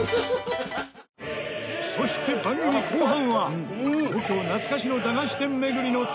そして番組後半は東京懐かしの駄菓子店巡りの旅